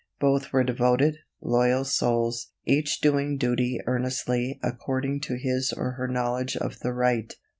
Both were devoted, loyal souls, each doing duty earnestly according to his or her knowledge of the right.